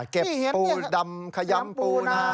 เก็บปูดำขยำปูนา